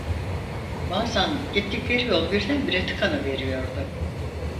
Bazan gittikleri yol birdenbire tıkanıveriyordu.